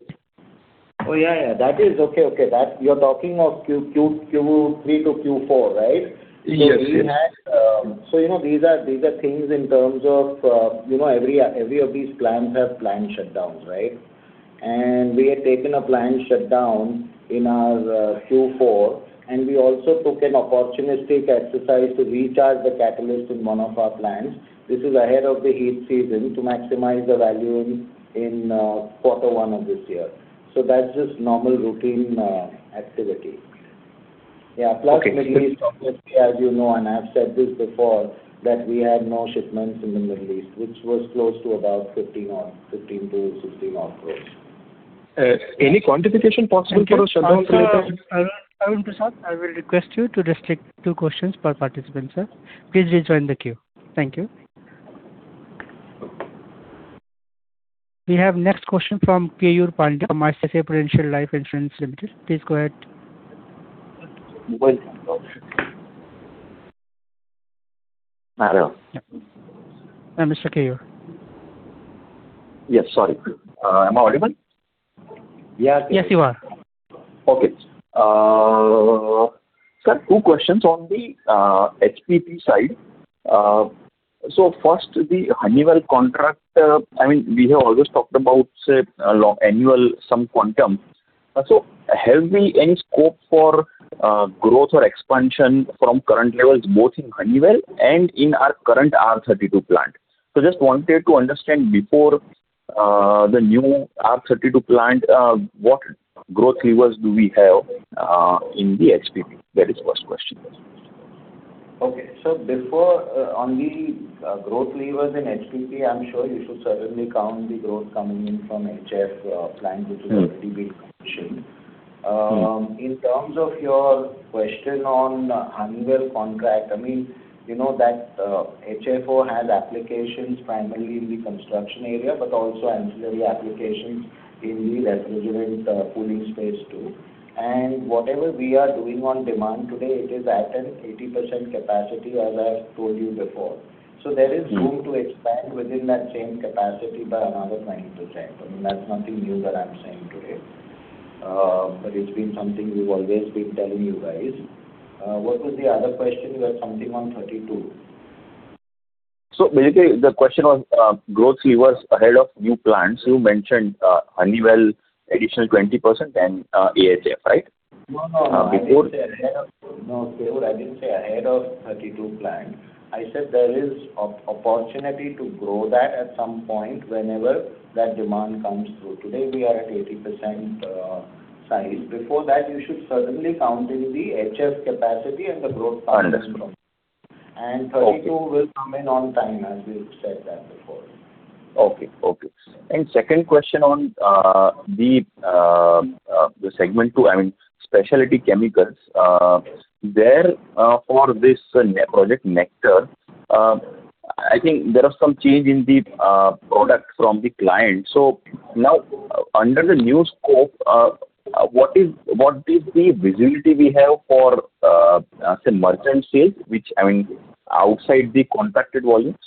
Oh, yeah. Okay, okay. You're talking of Q2, Q3 to Q4, right? Yes, yes. We had, you know, these are things in terms of, you know, every of these plants have plant shutdowns, right? We had taken a plant shutdown in our Q4, and we also took an opportunistic exercise to recharge the catalyst in one of our plants. This is ahead of the heat season to maximize the value in quarter one of this year. That's just normal routine activity. Okay. Middle East, obviously, as you know, and I've said this before, that we had no shipments in the Middle East, which was close to about 15 or 15-16 odd crore. Any quantification possible for those shutdowns? Thank you. Arun Prasath, I will request you to restrict two questions per participant, sir. Please rejoin the queue. Thank you. We have next question from Keyur Pandya from ICICI Prudential Life Insurance. Please go ahead. Go ahead. Hello. Yeah, Mr. Keyur. Yes, sorry. Am I audible? Yes. Yes, you are. Okay. sir, two questions on the HPP side. First, the Honeywell contract, I mean, we have always talked about, say, annual some quantum. Have we any scope for growth or expansion from current levels, both in Honeywell and in our current R32 plant? Just wanted to understand before the new R32 plant, what growth levers do we have in the HPP? That is first question. Okay. Before on the growth levers in HPP, I'm sure you should certainly count the growth coming in from HFO plant which is currently being commissioned. In terms of your question on Honeywell contract, I mean, you know that HFO has applications primarily in the construction area, but also ancillary applications in the refrigerant cooling space too. Whatever we are doing on demand today, it is at an 80% capacity, as I have told you before. There is room to expand within that same capacity by another 20%. I mean, that's nothing new that I'm saying today. It's been something we've always been telling you guys. What was the other question? You had something on R32. Basically, the question was, growth levers ahead of new plants. You mentioned, Honeywell additional 20% and, AHF, right? No, no. Uh, before- No, Keyur, I didn't say ahead of R32 plant. I said there is opportunity to grow that at some point whenever that demand comes through. Today we are at 80% size. Before that, you should certainly count in the HF capacity and the growth coming from. Understood. R32 will come in on time, as we've said that before. Okay. Okay. Second question on the segment two, I mean, specialty chemicals. There, for this, Project Nectar, I think there are some change in the product from the client. Now under the new scope, what is the visibility we have for, say, merchant sales, which, I mean, outside the contracted volumes?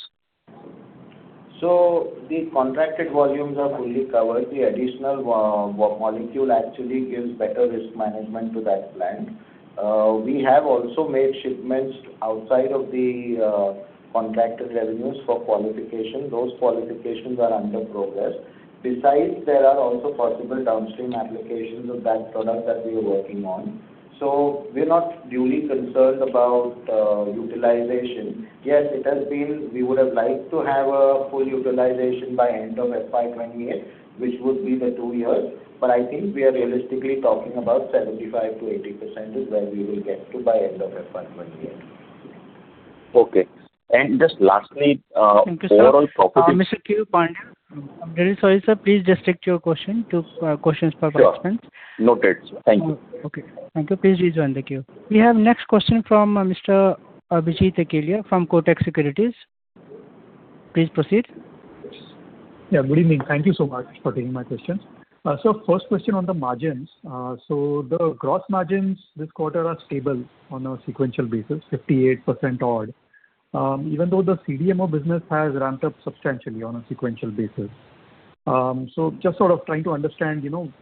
The contracted volumes are fully covered. The additional molecule actually gives better risk management to that plant. We have also made shipments outside of the contracted revenues for qualification. Those qualifications are under progress. Besides, there are also possible downstream applications of that product that we are working on. We're not duly concerned about utilization. Yes, it has been. We would have liked to have a full utilization by end of FY 2028, which would be by two years. I think we are realistically talking about 75%-80% is where we will get to by end of FY 2028. Okay. Just lastly... Thank you, sir. ...Overall profitability... Mr. Keyur. I am really sorry, sir. Please just stick to your question. two questions per participant. Sure. Noted. Thank you. Okay. Thank you. Please rejoin the queue. We have next question from Mr. Abhijit Akella from Kotak Securities. Please proceed. Good evening. Thank you so much for taking my questions. First question on the margins. The gross margins this quarter are stable on a sequential basis, 58% odd, even though the CDMO business has ramped up substantially on a sequential basis. Just sort of trying to understand, you know,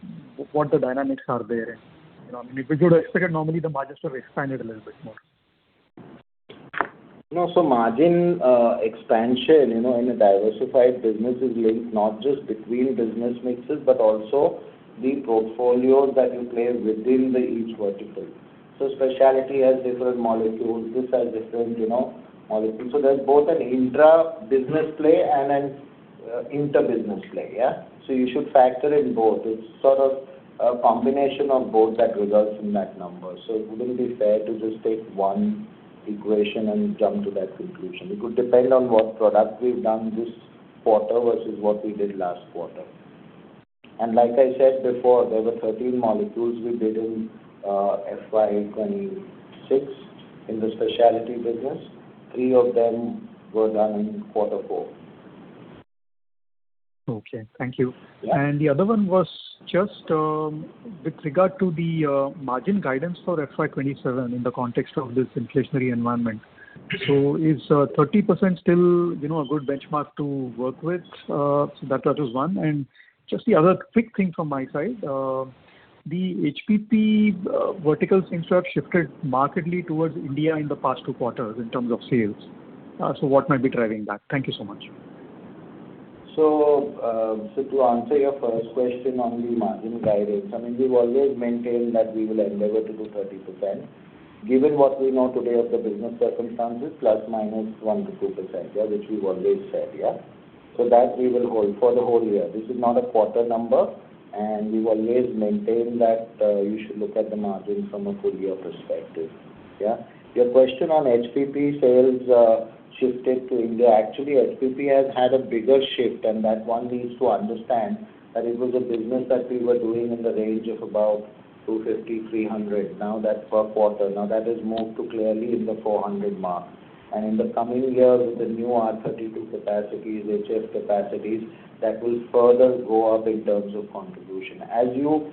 what the dynamics are there. You know, I mean, we could expect that normally the margins to have expanded a little bit more. No, margin expansion, you know, in a diversified business is linked not just between business mixes but also the portfolios that you play within the each vertical. Specialty has different molecules. This has different, you know, molecules. There's both an intra-business play and an inter-business play, yeah. You should factor in both. It's sort of a combination of both that results in that number. It wouldn't be fair to just take one equation and jump to that conclusion. It could depend on what product we've done this quarter versus what we did last quarter. Like I said before, there were 13 molecules we did in FY 2026 in the specialty business. three of them were done in Q4. Okay. Thank you. Yeah. The other one was just with regard to the margin guidance for FY 2027 in the context of this inflationary environment. Is 30% still, you know, a good benchmark to work with? That was just one. Just the other quick thing from my side. The HPP vertical seems to have shifted markedly towards India in the past two quarters in terms of sales. What might be driving that? Thank you so much. To answer your first question on the margin guidance, we've always maintained that we will endeavor to do 30%. Given what we know today of the business circumstances, plus minus 1%-2%, which we've always said. That we will hold for the whole year. This is not a quarter number. We've always maintained that you should look at the margin from a full year perspective. Your question on HPP sales shifted to India. Actually, HPP has had a bigger shift. That one needs to understand that it was a business that we were doing in the range of about 250, 300. That's per quarter. That has moved to clearly in the 400 mark. In the coming years with the new R32 capacities, HF capacities, that will further go up in terms of contribution. You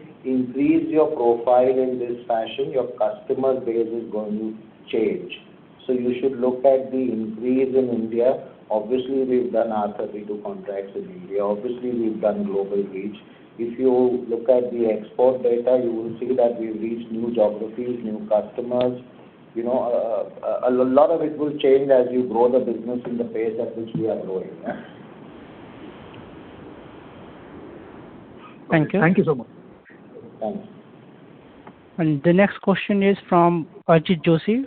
should look at the increase in India. We've done R32 contracts in India. We've done global reach. If you look at the export data, you will see that we've reached new geographies, new customers. You know, a lot of it will change as you grow the business in the pace at which we are growing. Thank you. Thanks. The next question is from Archit Joshi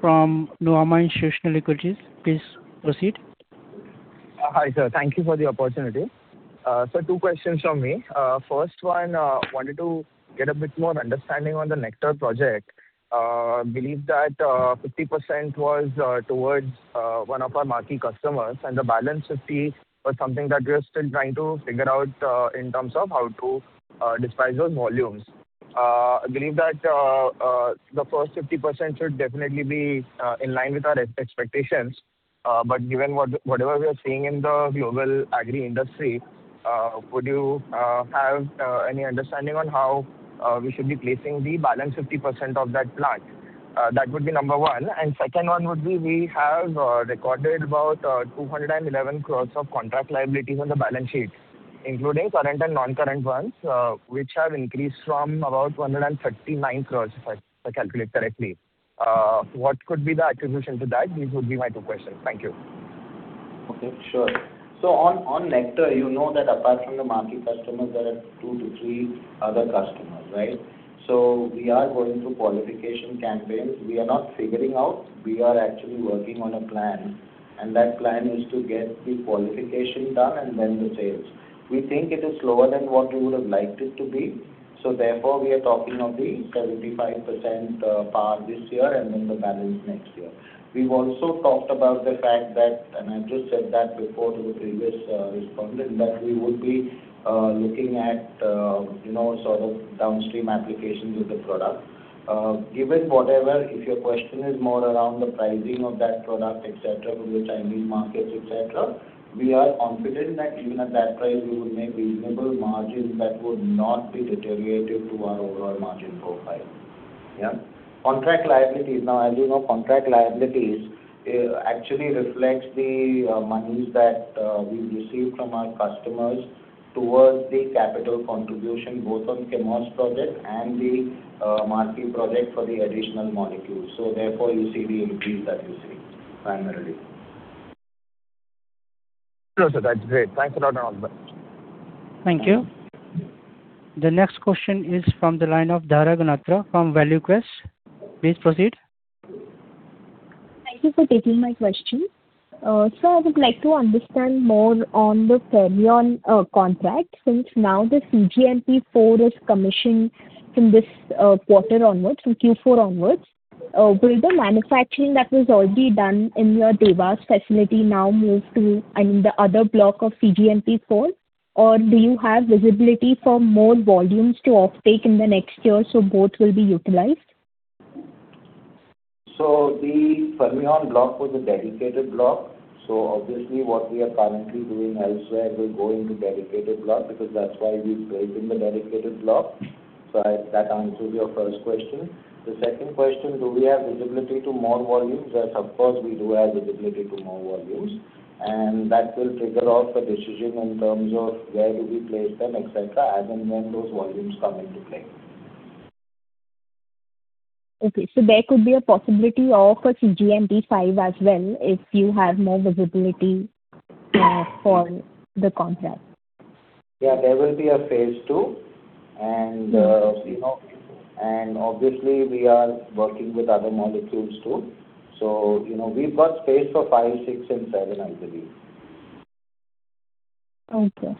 from Nuvama Institutional Equities. Please proceed. Hi, sir. Thank you for the opportunity. Two questions from me. First one, wanted to get a bit more understanding on Project Nectar. Believe that 50% was towards one of our marquee customers, and the balance 50% was something that we're still trying to figure out in terms of how to dispose those volumes. Believe that the first 50% should definitely be in line with our expectations. Given whatever we are seeing in the global agri industry, would you have any understanding on how we should be placing the balance 50% of that plant? That would be number one. Second one would be, we have recorded about 211 crore of contract liabilities on the balance sheet, including current and non-current ones, which have increased from about 139 crore if I calculate correctly. What could be the attribution to that? These would be my two questions. Thank you. Okay. Sure. On Nectar, you know that apart from the marquee customers, there are two to three other customers, right? We are going through qualification campaigns. We are not figuring out. We are actually working on a plan, and that plan is to get the qualification done and then the sales. We think it is slower than what we would have liked it to be. Therefore, we are talking of the 75% part this year and then the balance next year. We've also talked about the fact that, and I just said that before to the previous respondent, that we would be looking at, you know, sort of downstream applications with the product. Given whatever, if your question is more around the pricing of that product, et cetera, to the Chinese markets, et cetera, we are confident that even at that price we would make reasonable margins that would not be deteriorative to our overall margin profile. Yeah. Contract liabilities. As you know, contract liabilities actually reflects the monies that we receive from our customers towards the capital contribution, both on Chemours project and the Marti project for the additional molecules. Therefore you see the increase that you see primarily. No, sir, that's great. Thanks a lot. Thank you. The next question is from the line of Dhara Ganatra from ValueQuest. Please proceed. Thank you for taking my question. Sir, I would like to understand more on the Fermion contract, since now the cGMP-4 is commissioned from this quarter onwards, from Q4 onwards. Do you have visibility for more volumes to offtake in the next year, so both will be utilized? The Fermion block was a dedicated block, so obviously what we are currently doing elsewhere will go into dedicated block because that's why we've created the dedicated block. That answers your first question. The second question, do we have visibility to more volumes? Yes, of course, we do have visibility to more volumes, and that will trigger off a decision in terms of where do we place them, et cetera, as and when those volumes come into play. Okay. there could be a possibility of a cGMP-5 as well if you have more visibility for the contract. Yeah, there will be a phase II and, you know. Obviously we are working with other molecules too. You know, we've got space for five, six and seven, I believe. Okay.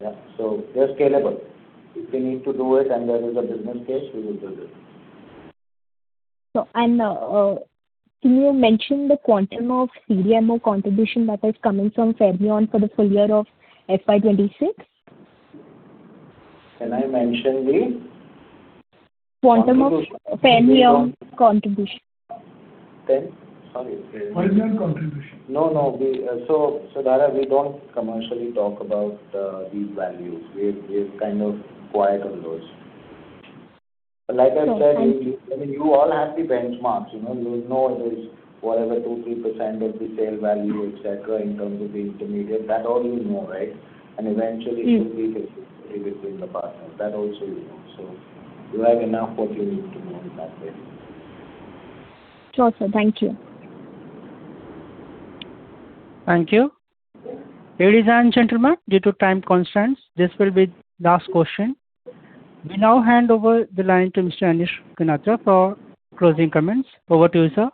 Yeah. We are scalable. If we need to do it and there is a business case, we will do it. Can you mention the quantum of CDMO contribution that is coming from Fermion for the full year of FY 2026? Can I mention the? Quantum of Fermion contribution. Sorry. Fermion contribution. No, no. We... Dhara, we don't commercially talk about these values. We're kind of quiet on those. Like I said. Okay. Thank you. I mean, you all have the benchmarks. You know, you know there's whatever 2%, 3% of the sale value, et cetera, in terms of the intermediate. That all you know, right? Mm. Eventually it will be in the partner. That also you know. You have enough what you need to know in that way. Sure, sir. Thank you. Thank you. Ladies and gentlemen, due to time constraints, this will be last question. We now hand over the line to Mr. Anish Ganatra for closing comments. Over to you, sir.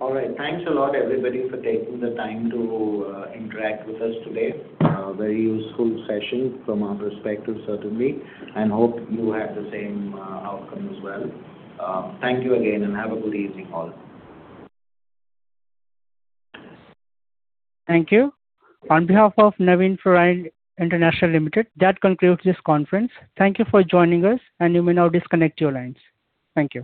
All right. Thanks a lot, everybody, for taking the time to interact with us today. A very useful session from our perspective, certainly, hope you had the same outcome as well. Thank you again, have a good evening all. Thank you. On behalf of Navin Fluorine International Limited, that concludes this conference. Thank you for joining us, and you may now disconnect your lines. Thank you.